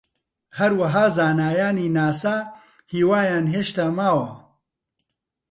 هەروەها زانایانی ناسا هیوایان هێشتا ماوە